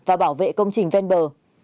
và bảo vệ công trình ven bờ